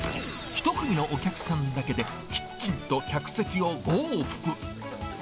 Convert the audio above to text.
１組のお客さんだけで、キッチンと客席を５往復。